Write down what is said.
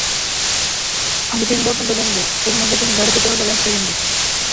আমি তিন পর্যন্ত গুনবো, এরমধ্যে তুমি গাড়িতে চলে যাবে এক সেকেন্ড!